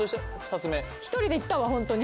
１人で行ったわ本当に。